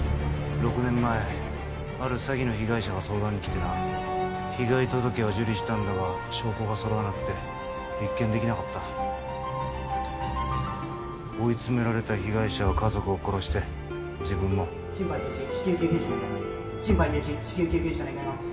６年前ある詐欺の被害者が相談に来てな被害届は受理したんだが証拠が揃わなくて立件できなかった追い詰められた被害者は家族を殺して自分も・心肺停止至急救急車願います